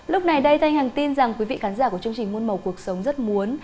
lúc này đây thanh hằng tin rằng quý vị khán giả của chương trình môn màu cuộc sống rất muốn